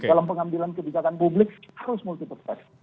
dalam pengambilan kebijakan publik harus multi perspektif